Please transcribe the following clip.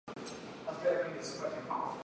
以取代。